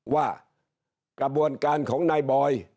ว่ากระบวนการของนายบอย